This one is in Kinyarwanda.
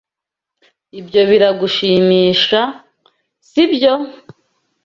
Ibyo biragushimisha, sibyo?